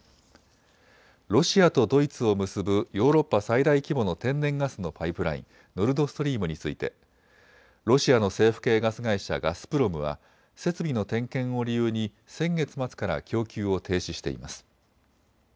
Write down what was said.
ロシアとドイツを結ぶヨーロッパ最大規模の天然ガスのパイプライン、ノルドストリームについてロシアの政府系ガス会社、ガスプロムは設備の点検を理由に先月末から供給を停止しています。